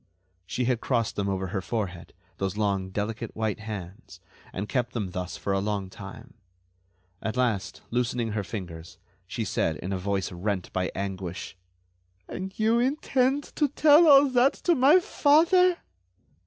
She had crossed them over her forehead—those long delicate white hands—and kept them thus for a long time. At last, loosening her fingers, she said, in a voice rent by anguish: "And do you intend to tell all that to my father?"